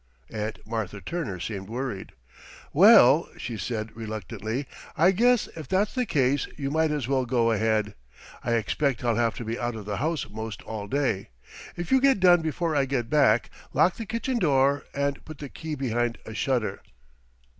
Aunt Martha Turner seemed worried. "Well," she said reluctantly, "I guess if that's the case you might as well go ahead. I expect I'll have to be out of the house 'most all day. If you get done before I get back, lock the kitchen door and put the key behind a shutter."